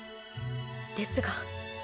ですが。